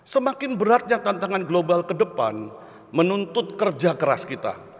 semakin beratnya tantangan global ke depan menuntut kerja keras kita